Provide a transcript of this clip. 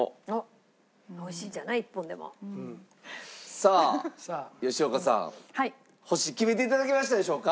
さあ吉岡さん星決めて頂けましたでしょうか？